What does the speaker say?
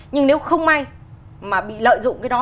nhưng nếu không may mà bị lợi dụng cái đó